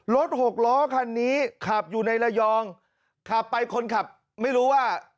หกล้อคันนี้ขับอยู่ในระยองขับไปคนขับไม่รู้ว่า